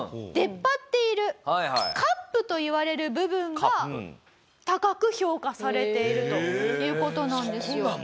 出っ張っているカップといわれる部分が高く評価されているという事なんですよ。